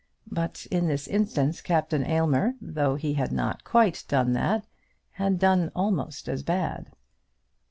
But in this instance Captain Aylmer, though he had not quite done that, had done almost as bad.